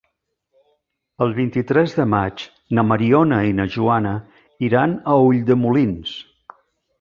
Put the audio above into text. El vint-i-tres de maig na Mariona i na Joana iran a Ulldemolins.